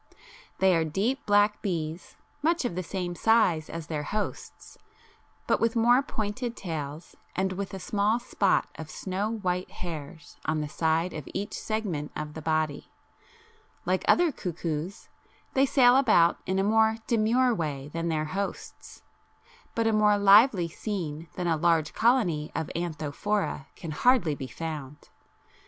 They are deep black bees, much of the same size as their hosts but with more pointed tails and with a small spot of snow white hairs on the side of each segment of the body; like other cuckoos they sail about in a more demure way than their hosts, but a more lively scene than a large colony of Anthophora can hardly be found.